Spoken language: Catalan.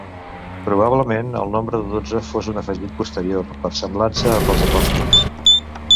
Probablement el nombre de dotze fos un afegit posterior, per semblança amb els apòstols.